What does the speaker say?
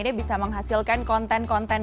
dia bisa menghasilkan konten konten